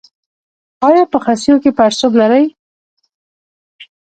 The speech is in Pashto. ایا په خصیو کې پړسوب لرئ؟